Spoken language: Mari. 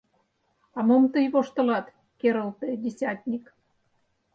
— А мом тый воштылат? — керылте десятник.